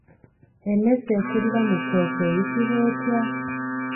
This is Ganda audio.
Emmese ekulira mu ttooke eyitibwa etya?